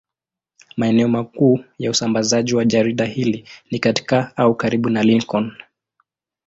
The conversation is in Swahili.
Maeneo makuu ya usambazaji wa jarida hili ni katika au karibu na Lincoln.